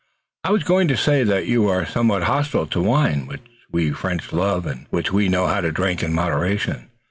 I was going to say that you are somewhat hostile to wine, which we French love, and which we know how to drink in moderation.